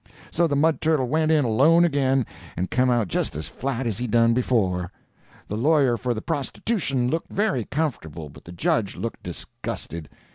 So the mud turtle went in alone again and come out just as flat as he done before. The lawyer for the prostitution looked very comfortable, but the judge looked disgusted.